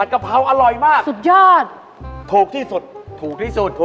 แต่ของบ้านถูก